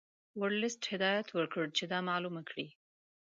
ورلسټ هدایت ورکړ چې دا معلومه کړي.